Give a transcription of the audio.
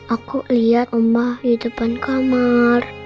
aku lihat omah di depan kamar